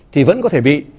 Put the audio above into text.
thì vẫn có thể bị